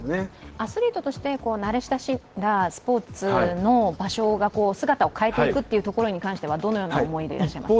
アスリートとして慣れ親しんだスポーツの場所が姿を変えていくというところに関してはどのような思いでいらっしゃいますか？